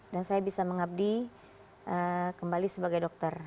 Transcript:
dan saya bisa mengabdi kembali sebagai dokter